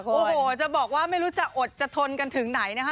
โอ้โหจะบอกว่าไม่รู้จะอดจะทนกันถึงไหนนะคะ